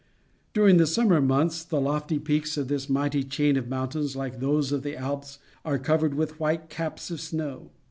During the summer months the lofty peaks of this mighty chain of mountains, like those of the Alps, are covered with white caps of snow.